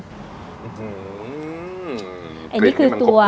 อื้อหืออันนี้คือตัว